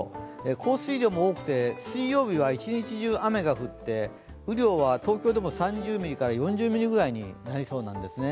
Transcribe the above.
降水量も多くて水曜日は一日中、雨が降って、雨量は東京でも３０ミリから４０ミリになりそうなんですね。